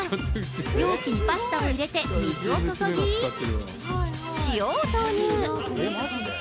容器にパスタを入れて水を注ぎ、塩を投入。